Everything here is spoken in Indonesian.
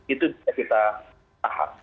itu kita paham